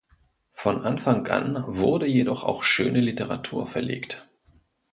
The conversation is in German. Von Anfang an wurde jedoch auch Schöne Literatur verlegt.